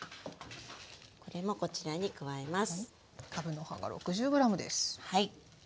これもこちらに加えます。